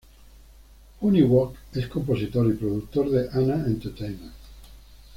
Hyun Wook es compositor y productor de AnA Entertainment.